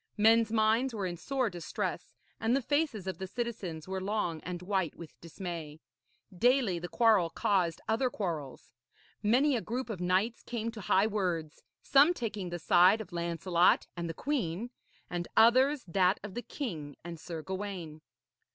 Men's minds were in sore distress, and the faces of the citizens were long and white with dismay. Daily the quarrel caused other quarrels. Many a group of knights came to high words, some taking the side of Lancelot and the queen, and others that of the king and Sir Gawaine.